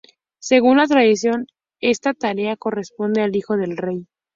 Según la tradición, esta tarea corresponde al hijo del rey.